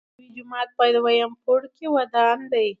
دنبوی جومات په دویم پوړ کې ودان دی.